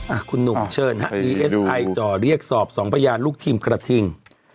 อ่ะคุณหนุ่มเชิญฮะดีเอสไอจ่อเรียกสอบสองพยานลูกทีมกระทิง